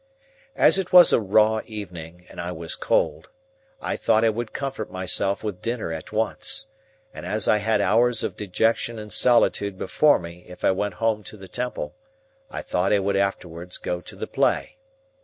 As it was a raw evening, and I was cold, I thought I would comfort myself with dinner at once; and as I had hours of dejection and solitude before me if I went home to the Temple, I thought I would afterwards go to the play.